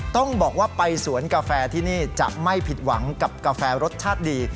ต้องบอกว่าไปสวนกาแฟที่นี่จะไม่ผิดหวังกับกาแฟรสชาติดี